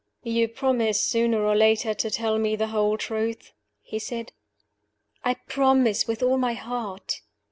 "You promise, sooner or later, to tell me the whole truth?" he said "I promise with all my heart!"